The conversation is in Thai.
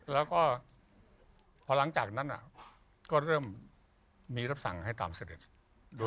แล้วก็พอหลังจากนั้นก็เริ่มมีรับสั่งให้ตามเสด็จ